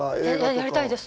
やりたいです。